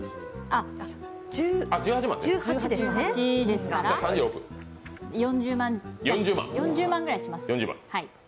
１８ですから、４０万ぐらいします。